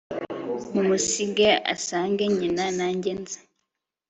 mumusige asange nyina nanjye nze